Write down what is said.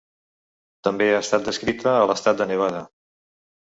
També ha estat descrita a l'estat de Nevada.